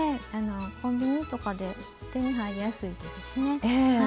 コンビニとかで手に入りやすいですしね。